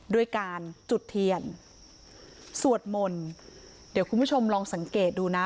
ด้วยการจุดเทียนสวดมนต์เดี๋ยวคุณผู้ชมลองสังเกตดูนะ